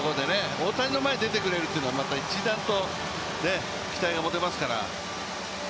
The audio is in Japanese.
大谷の前で出てくれるというのはまた一段と期待が持てますから。